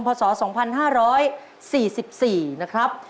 พศ๒๕๔๔นะครับ